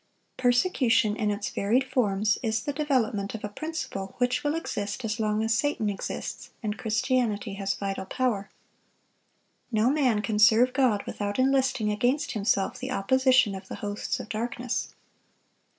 Persecution in its varied forms is the development of a principle which will exist as long as Satan exists and Christianity has vital power. No man can serve God without enlisting against himself the opposition of the hosts of darkness.